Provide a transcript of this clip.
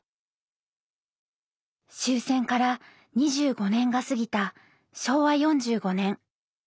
終戦から２５年が過ぎた昭和４５年。